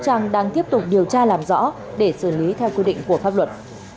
trang đang tiếp tục điều tra làm rõ để xử lý theo quy định của pháp luật